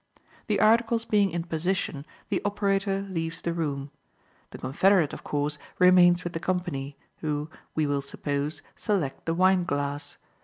The articles being in position, the operator leaves the room. The confederate, of course, remains with the company, who, we will suppose, select the wine glass.